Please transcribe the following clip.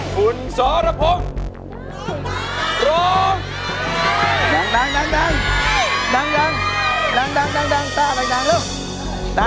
คุณร้องได้ให้ร้าน